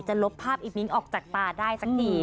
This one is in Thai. ลบภาพอีมิ้งออกจากตาได้สักที